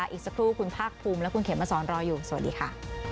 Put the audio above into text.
อีกสักครู่คุณภาคภูมิและคุณเขมมาสอนรออยู่สวัสดีค่ะ